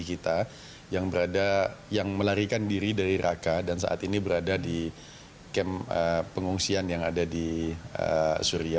kita yang berada yang melarikan diri dari raka dan saat ini berada di kem pengungsian yang ada di suria